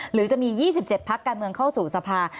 หรือจะมี๒๗พักการเมืองเข้าสู่สภา